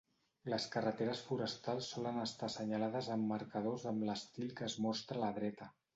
Les carreteres forestals solen estar assenyalades amb marcadors amb l'estil que es mostra a la dreta.